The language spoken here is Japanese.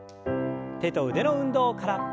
手と腕の運動から。